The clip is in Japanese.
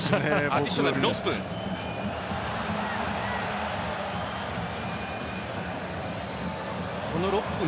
アディショナル、６分。